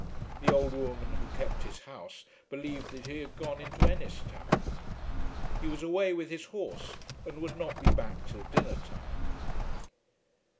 The old woman who kept his house believed that he had gone into Ennistown. He was away with his horse, and would not be back till dinner time.